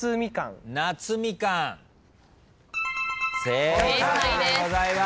正解でございます。